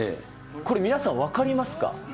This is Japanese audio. これ、皆さん、分かりますか？